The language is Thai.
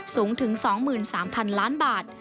สูงถึง๒๓๐๐๐ล้านบาท